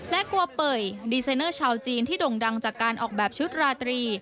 และกลัวเปยดีไซเนอร์ชาวจีนที่ด่งดังจากการออกแบบชุดราตรี